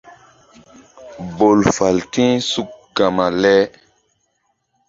Bol fal ti̧h suk gama le.